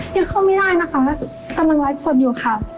ยังเข้าไม่ได้นะคะและกำลังไลฟ์สดอยู่ค่ะ